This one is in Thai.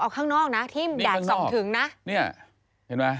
ภายในด้าน๒ถึง